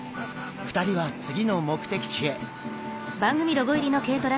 ２人は次の目的地へ。